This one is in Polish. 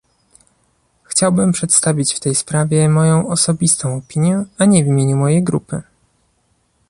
Chciałbym przedstawić w tej sprawie moją osobistą opinię a nie w imieniu mojej grupy